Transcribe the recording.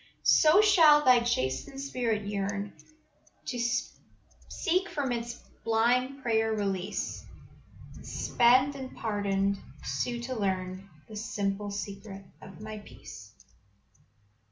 "So shall thy chastened spirit yearn To seek from its blind prayer release, And spent and pardoned, sue to learn The simple secret of My peace.